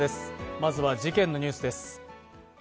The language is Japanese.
まずは事件のニュースです。